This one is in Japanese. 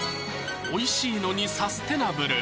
美味しいのにサステナブル！